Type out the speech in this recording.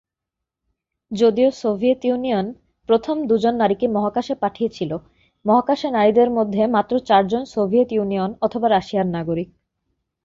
যদিও Soviet Union প্রথম দুজন নারীকে মহাকাশে পাঠিয়েছিল, মহাকাশে নারীদের মধ্যে মাত্র চারজন সোভিয়েত ইউনিয়ন অথবা রাশিয়ার নাগরিক।